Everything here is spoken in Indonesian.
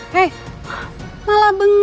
hei malah bengong